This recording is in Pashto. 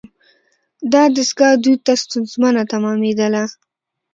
دا دستگاه دوی ته ستونزمنه تمامیدله.